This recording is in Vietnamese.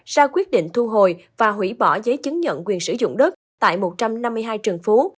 ra quyết định thu hồi và hủy bỏ giấy chứng nhận quyền sử dụng đất tại một trăm năm mươi hai trần phú